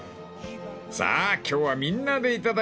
［さあ今日はみんなでいただきます］